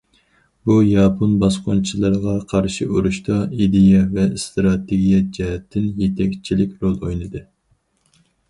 بۇ، ياپون باسقۇنچىلىرىغا قارشى ئۇرۇشتا ئىدىيە ۋە ئىستراتېگىيە جەھەتتىن يېتەكچىلىك رول ئوينىدى.